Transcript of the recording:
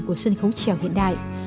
của sân khấu trèo hiện đại